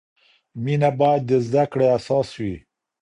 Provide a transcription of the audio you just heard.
مینه باید د زده کړې اساس وي.